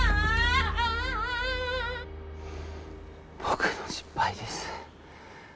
僕の失敗です。